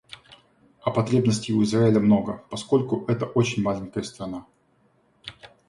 А потребностей у Израиля много, поскольку — это очень маленькая страна.